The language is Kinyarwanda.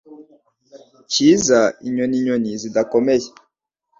Kiza inyoni-nyoni zidakomeye .